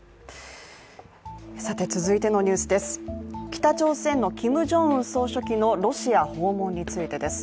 続いてのニュースです、北朝鮮のキム・ジョンウン総書記のロシア訪問についてです。